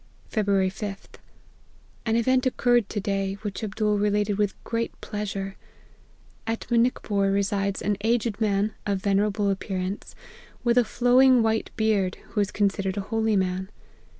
"" Feb. 5th. An event occurred to day, which Abdool related with great pleasure. At Monick pore resides an aged man, of venerable appearance, with a flowing white beard, who is considered a holy man.